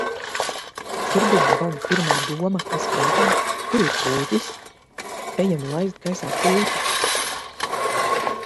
Ķirbim gan pirmā doma kas prāta – kur ir pūķis? Ejam laist gaisā pūķi!